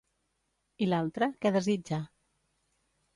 I l'altre, què desitja?